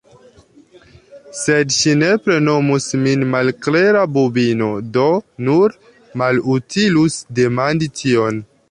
Sed ŝi nepre nomus min malklera bubino. Do, nur malutilus demandi tion!